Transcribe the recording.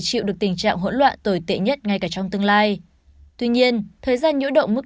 chịu được tình trạng hỗn loạn tồi tệ nhất ngay cả trong tương lai tuy nhiên thời gian nhỗ động mức